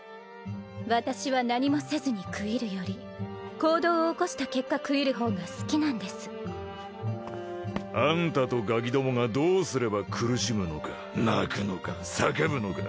私は何もせずに悔いるより行動を起こした結果悔いる方が好きなんですあんたとガキどもがどうすれば苦しむのか泣くのか叫ぶのか